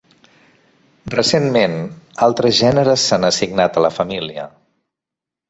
Recentment, altres gèneres s'han assignat a la família.